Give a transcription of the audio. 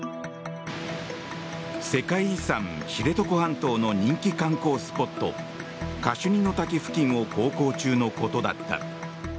世界遺産・知床半島の人気観光スポットカシュニの滝付近を航行中のことだった。